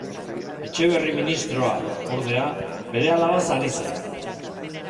Etxeberri ministroa, ordea, bere alabaz ari zen.